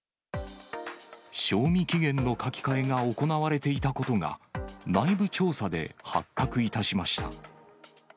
賞味期限の書き換えが行われていたことが、内部調査で発覚いたしました。